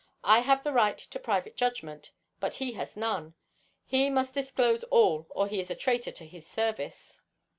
I have the right to private judgment, but he has none. He must disclose all, or he is a traitor to his service.